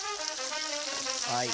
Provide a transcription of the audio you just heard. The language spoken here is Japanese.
はい。